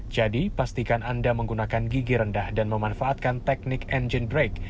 jadi pastikan anda menggunakan gigi rendah dan memanfaatkan teknik engine brake